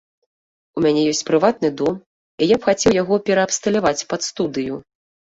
У мяне ёсць прыватны дом, і я б хацеў яго пераабсталяваць пад студыю.